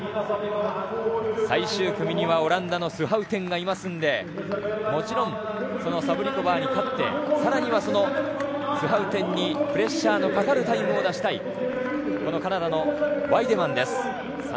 最終組にはオランダのスハウテンがいますのでもちろん、サブリコバーにとって更にはスハウテンにプレッシャーのかかるタイムを出したいカナダのワイデマンです。